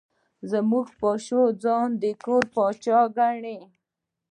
زموږ پیشو ځان د کور پاچا ګڼي.